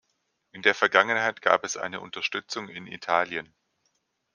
In der Vergangenheit gab es eine Unterstützung in Italien.